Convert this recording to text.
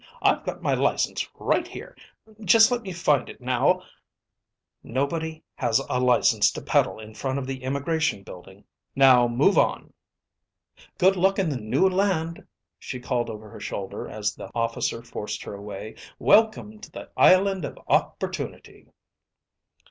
"I've got my license right here. Just let me find it now...." "Nobody has a license to peddle in front of the immigration building. Now move on." "Good luck in the New Land," she called over her shoulder as the officer forced her away. "Welcome to the Island of Opportunity!"